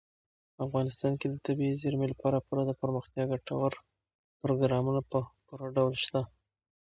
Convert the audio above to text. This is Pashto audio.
افغانستان کې د طبیعي زیرمې لپاره پوره دپرمختیا ګټور پروګرامونه په پوره ډول شته.